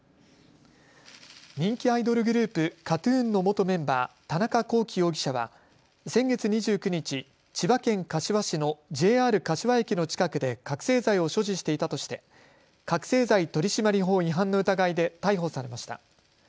人気アイドルグループＫＡＴ−ＴＵＮの元メンバー田中聖容疑者は先月２９日千葉県柏市のＪＲ柏駅の近くで覚醒剤を所持していたとして覚醒剤取締法違反の疑いで逮捕されました。